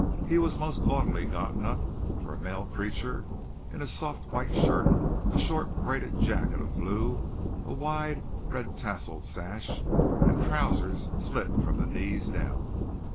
He was most gaudily gotten up, for a male creature, in a soft white shirt, a short braided jacket of blue, a wide, red tasselled sash, and trousers slit from the knees down.